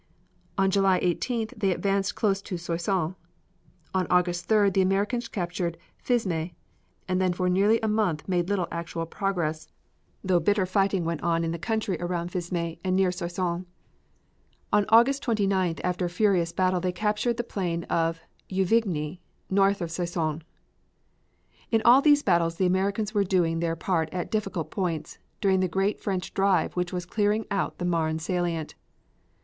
On July 18th they advanced close to Soissons. On August 3d the Americans captured Fismes, and then for nearly a month made little actual progress, though bitter fighting went on in the country around Fismes and near Soissons. On August 29th after a furious battle they captured the plain of Juvigny, north of Soissons. In all these battles the Americans were doing their part at difficult points, during the great French drive which was clearing out the Marne salient.